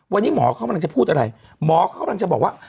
วันนี้หมอเขากำลังจะพูดอะไรหมอเขากำลังจะบอกว่า